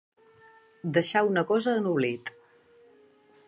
Deixar una cosa en oblit.